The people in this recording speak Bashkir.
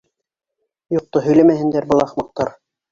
Юҡты һөйләмәһендәр был ахмаҡтар.